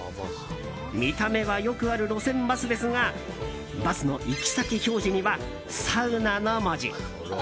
見た目はよくある路線バスですがバスの行き先表示にはサウナの文字。